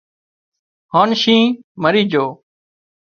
هانَ شينهن مرِي جھو